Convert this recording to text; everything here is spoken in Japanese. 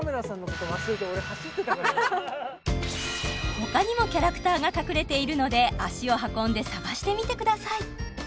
そうだねあの他にもキャラクターが隠れているので足を運んで探してみてください